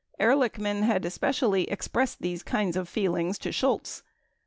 Ehrlich man had especially expressed these kinds of feelings to Shultz.